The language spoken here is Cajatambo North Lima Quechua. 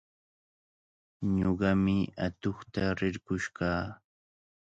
Ñuqami atuqta rirqush kaa.